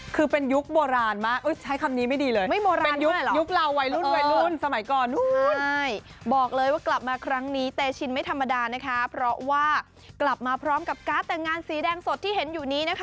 คือเป็นยุคโบราณมากใช้คำนี้ไม่ดีเลย